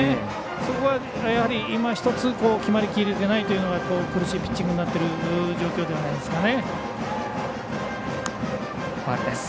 そこは今ひとつ決まりきれてないというのが苦しいピッチングになっている状況ではないですかね。